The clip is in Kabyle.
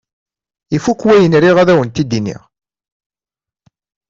Ifuk wayen riɣ ad awen-t-id-iniɣ.